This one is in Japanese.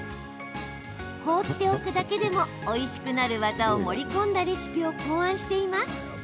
放っておくだけでもおいしくなる技を盛り込んだレシピを考案しています。